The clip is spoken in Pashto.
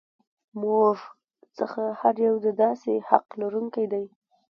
زموږ څخه هر یو د داسې حق لرونکی دی.